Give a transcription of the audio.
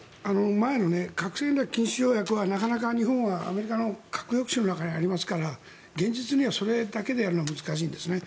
前の核戦略禁止条約はなかなか日本は、アメリカの核抑止の中にありますから現実にはそれだけでやるのは難しいんですね。